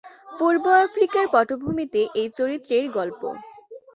পূর্ব আফ্রিকার পটভূমিতে এই চরিত্রের গল্প।